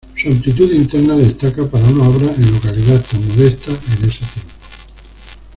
Su amplitud interna destaca para una obra en localidad tan modesta en ese tiempo.